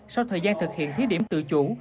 sau thời gian thực hiện thí điểm tự chủ